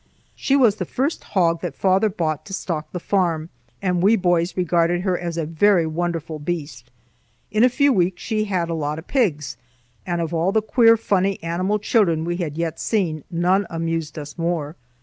She was the first hog that father bought to stock the farm, and we boys regarded her as a very wonderful beast. In a few weeks she had a lot of pigs, and of all the queer, funny, animal children we had yet seen, none amused us more.